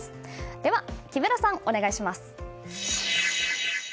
では木村さん、お願いします。